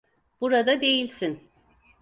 Burada değilsin.